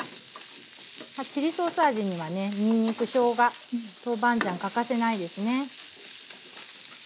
チリソース味にはねにんにくしょうが豆板醤欠かせないですね。